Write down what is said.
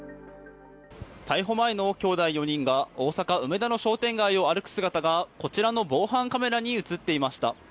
逮捕前のきょうだい４人が大阪・梅田の商店街を歩く姿がこちらの防犯カメラに映っていました。